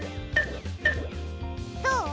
どう？